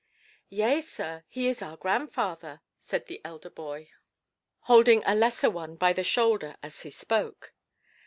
"Yea, sir, he is our grandfather," said the elder boy, holding a lesser one by the shoulder as he spoke.